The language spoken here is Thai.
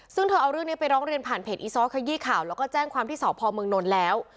ซึ่งเธอเอาเรื่องนี้ไปร้องเรียนผ่านเพจอีซ้อขยี้ข่าวแล้วก็แจ้งความที่สพเมืองนนท์แล้ว